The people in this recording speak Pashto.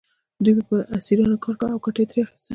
دوی به په اسیرانو کار کاوه او ګټه یې ترې اخیسته.